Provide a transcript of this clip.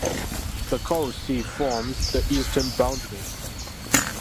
The "Coral Sea" forms the eastern boundary.